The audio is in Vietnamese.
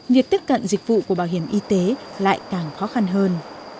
việc tiếp cận dịch vụ của bảo hiểm y tế lại càng khó khăn hơn